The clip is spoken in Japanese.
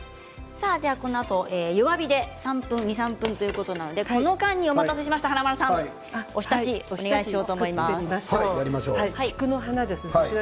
弱火で２、３分ということなので、この間にお待たせしました、華丸さんお浸し、お願いします。